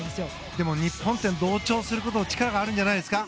でも日本って同調する力があるんじゃないんですか。